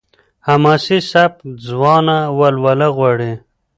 حماسي سبک ځوانه ولوله غواړي.